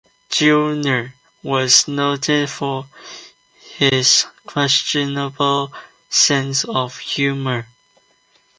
Gellner was noted for his questionable sense of humour.